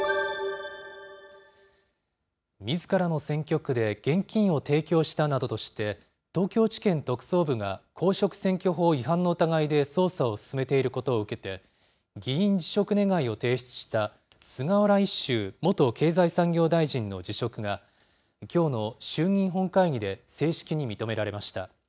みずからの選挙区で、現金を提供したなどとして、東京地検特捜部が公職選挙法違反の疑いで捜査を進めていることを受けて、議員辞職願を提出した菅原一秀元経済産業大臣の辞職が、きょうの衆議院本会議で正式に認められました。